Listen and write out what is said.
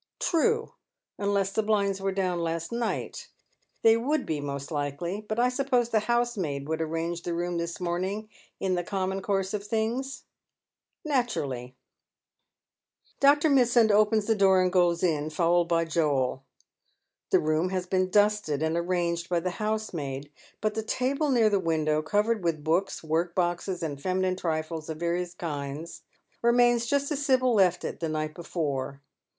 " True. Unless the blinds were down last night. Tliey would be most likely. But I suppose the housemaid would arrange tue room tl;is mojning in the common course of things ?"" Naturally." Dr. Mitsand opens the door and goes in, followed by Joel. The room has been dusted and arranged by the housemaid, but the table near the window, covered with books, workboxcs and feminine trifles of various kinds, remains just as Sibyl left it tlie night before.